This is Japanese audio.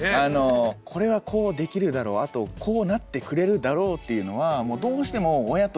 これはこうできるだろうあとこうなってくれるだろうっていうのはもうどうしても親として。